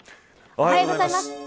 おはようございます。